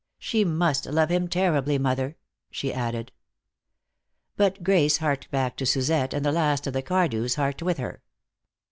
She must love him terribly, mother," she added. But Grace harked back to Suzette, and the last of the Cardews harked with her.